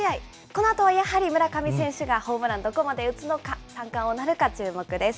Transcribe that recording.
このあとはやはり村上選手がホームラン、どこまで打つのか、三冠王なるか注目です。